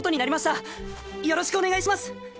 よろしくお願いします！